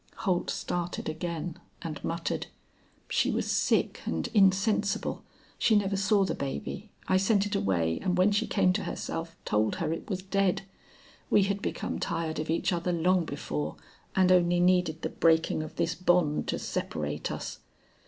Holt started again and muttered, "She was sick and insensible. She never saw the baby; I sent it away, and when she came to herself, told her it was dead. We had become tired of each other long before, and only needed the breaking of this bond to separate us.